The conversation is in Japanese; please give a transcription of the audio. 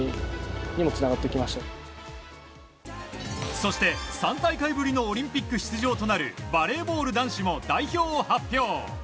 そして、３大会ぶりのオリンピック出場となるバレーボール男子も代表を発表。